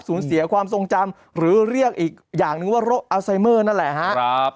เสียความทรงจำหรือเรียกอีกอย่างนึงว่าโรคอัลไซเมอร์นั่นแหละครับ